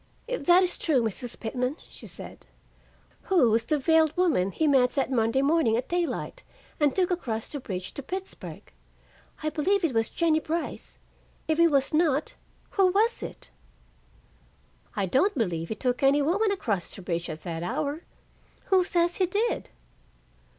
"If that is true, Mrs. Pitman," she said, "who was the veiled woman he met that Monday morning at daylight, and took across the bridge to Pittsburgh? I believe it was Jennie Brice. If it was not, who was it?" "I don't believe he took any woman across the bridge at that hour. Who says he did?"